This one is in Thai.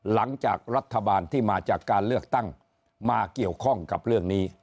หลังจากรัฐบาลที่มาจากการเลือกตั้งมาเกี่ยวข้องกับเรื่องนี้